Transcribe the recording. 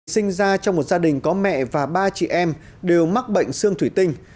sinh ra trong một gia đình có mẹ và ba chị em đều mắc bệnh sương thủy tinh